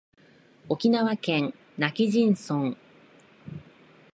沖縄県今帰仁村